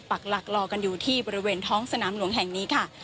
ปักหลักรอกันอยู่ที่บริเวณท้องสนามหลวงแห่งนี้ค่ะ